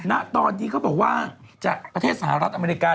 ณตอนนี้เขาบอกว่าจากประเทศสหรัฐอเมริกา